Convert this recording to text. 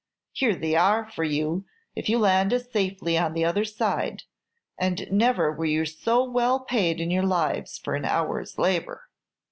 Here they are for you if you land us safely at the other side; and never were you so well paid in your lives for an hour's labor."